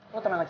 lu tenang aja